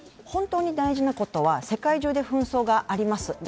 本当に大事なことは、世界中で紛争があります。